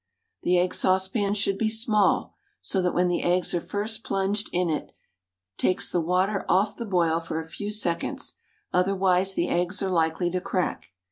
The egg saucepan should be small, so that when the eggs are first plunged in it takes the water off the boil for a few seconds, otherwise the eggs are likely to crack.